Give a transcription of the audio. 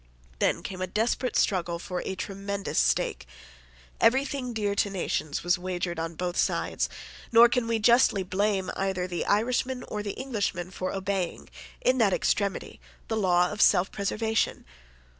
Then came a desperate struggle for a tremendous stake. Everything dear to nations was wagered on both sides: nor can we justly blame either the Irishman or the Englishman for obeying, in that extremity, the law of self preservation.